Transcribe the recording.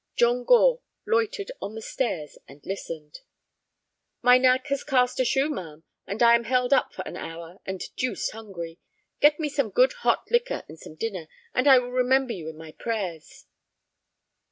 John Gore loitered on the stairs and listened. "My nag has cast a shoe, ma'am, and I am held up for an hour, and deuced hungry. Get me some good hot liquor and some dinner, and I will remember you in my prayers."